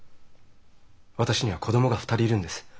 私には子供が２人いるんです。